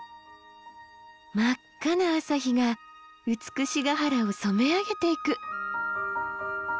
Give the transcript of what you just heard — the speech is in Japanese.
真っ赤な朝日が美ヶ原を染め上げていく。